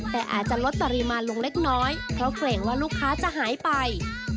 แต่อาจจะลดปริมาณลงเล็กน้อยเพราะเกรงว่าลูกค้าจะหายไป